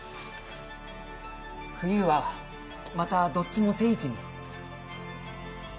冬はまたどっちも正位置に。